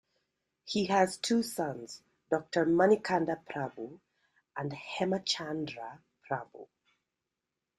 He has two sons, Doctor Manikanda Prabhu and Hemachandra Prabhu.